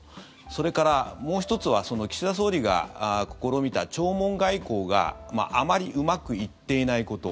それから、もう１つは岸田総理が試みた弔問外交があまりうまくいっていないこと。